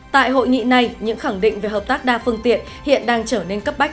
tại hội nghị này những khẳng định về hợp tác đa phương tiện hiện đang trở nên cấp bách